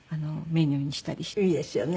いいですよね。